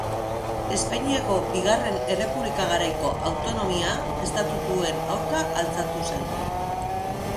Espainiako Bigarren Errepublika garaiko autonomia estatutuen aurka altxatu zen.